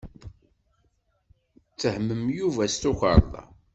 Ttehmen Yuba s tukerḍa.